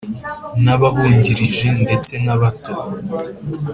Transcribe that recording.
n’ababungirije ndetse na bato